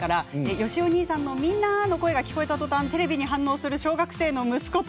よしひさおにいさんの「みんな！」が聞こえた瞬間テレビに反応する小学生の息子と。